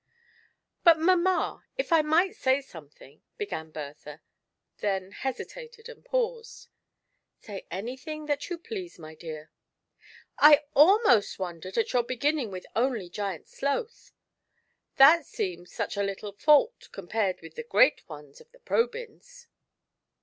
"But, mamma — if I might say something," began Bertha, then hesitated and paused. "Say anything that you pleaae, my dear," " I almost wondered at your beginning with only Giant Sloth ; that seems such a little fiiult compared with the great ones of the Probyns.